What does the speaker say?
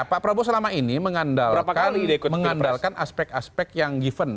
pak prabowo selama ini mengandalkan aspek aspek yang given